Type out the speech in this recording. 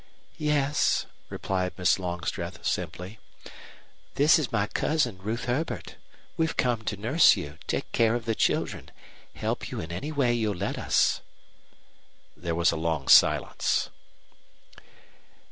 "Yes," replied Miss Longstreth, simply. "This is my cousin, Ruth Herbert. We've come to nurse you, take care of the children, help you in any way you'll let us." There was a long silence.